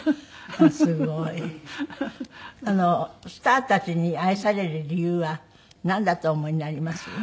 スターたちに愛される理由はなんだとお思いになります？